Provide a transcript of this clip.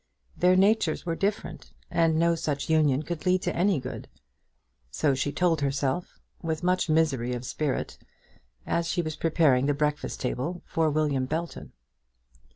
Their natures were different, and no such union could lead to any good. So she told herself, with much misery of spirit, as she was preparing the breakfast table for William Belton.